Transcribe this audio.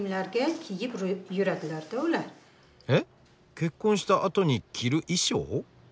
結婚したあとに着る衣装？